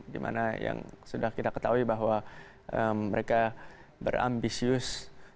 di mana yang sudah kita ketahui bahwa mereka berambisius